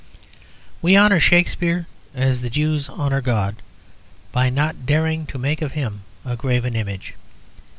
We honour Shakspere as the Jews honour God by not daring to make of him a graven image.